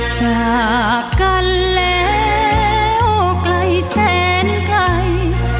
จากกันแล้วไกลแสนไกล